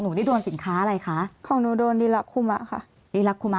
หนูที่โดนสินค้าอะไรคะของหนูโดนรีลักษณ์คุมะค่ะรีลักษณ์คุมะ